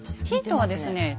ヒントはですね